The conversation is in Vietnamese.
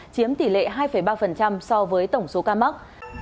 chiếm tỷ lệ hai ba so với tổng số ca mắc